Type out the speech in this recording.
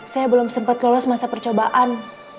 saya belum sempat lolos masa percobaan